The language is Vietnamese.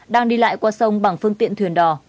đang đi lại qua sông bằng phương tiện thuyền đò